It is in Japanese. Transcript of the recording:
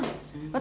私